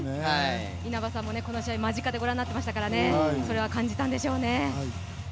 稲葉さんもこの試合、間近でご覧になっていましたからそれは感じたんでしょうね。